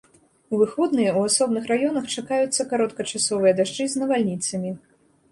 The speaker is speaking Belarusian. У выходныя ў асобных раёнах чакаюцца кароткачасовыя дажджы з навальніцамі.